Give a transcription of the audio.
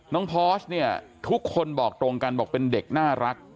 พอร์สเนี่ยทุกคนบอกตรงกันบอกเป็นเด็กน่ารัก